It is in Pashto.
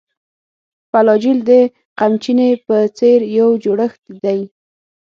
فلاجیل د قمچینې په څېر یو جوړښت دی.